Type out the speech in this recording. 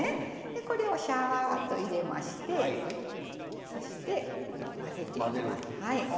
これをしゃーっと入れましてそして、混ぜていきます。